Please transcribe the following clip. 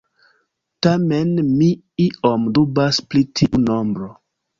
Tamen mi iom dubas pri tiu nombro.